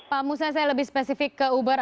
pak musa saya lebih spesifik ke uber